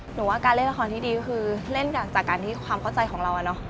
หนูว่าการเล่นละครที่ดีคือเล่นอย่างจากการที่ความเข้าใจของเราอ่ะเนาะ